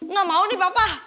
nggak mau nih papa